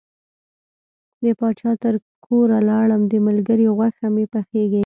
د پاچا تر کوره لاړم د ملګري غوښه مې پخیږي.